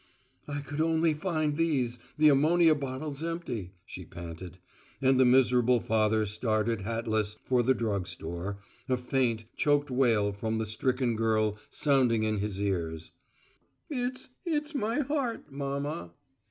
"I could only find these; the ammonia bottle's empty," she panted; and the miserable father started hatless, for the drug store, a faint, choked wail from the stricken girl sounding in his ears: "It's it's my heart, mamma."